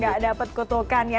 nggak dapat kutukan ya